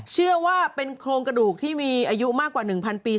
เชื่อว่าเป็นโครงกระดูกที่มีอายุมากกว่า๑๐๐ปี